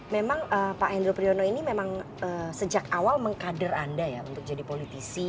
memang pak hendro priyono ini memang sejak awal mengkader anda ya untuk jadi politisi